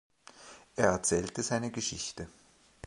Er erzählte seine Geschichte.